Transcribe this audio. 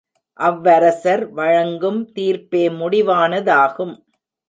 அவ்வரசர் வழங்கும் தீர்ப்பே முடிவானதாகும்.